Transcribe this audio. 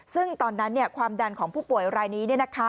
ซึ่งตอนนั้นความดันของผู้ป่วยรายนี้